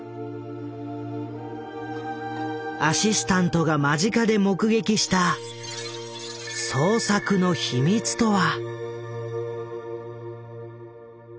アシスタントが間近で目撃した創作の秘密とは？